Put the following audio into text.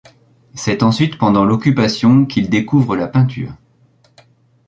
C'est ensuite pendant l'Occupation qu'il découvre la peinture.